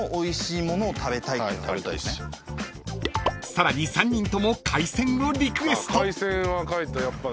［さらに３人とも海鮮をリクエスト］